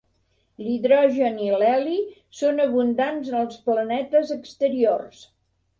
L'hidrogen i l'heli són abundants en els planetes exteriors.